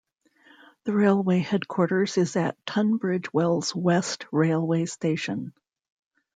The railway headquarters is at Tunbridge Wells West railway station.